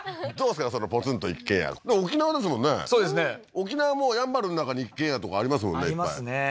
沖縄もやんばるの中に一軒家とかありますもんねいっぱいありますね